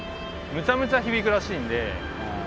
めちゃめちゃ響くらしいんで。